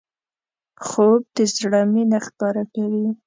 خوب د زړه مینه ښکاره کوي